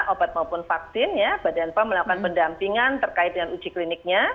obat maupun vaksin ya badan pom melakukan pendampingan terkait dengan uji kliniknya